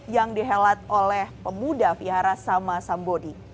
yang dihelat oleh pemuda vihara sama sambodi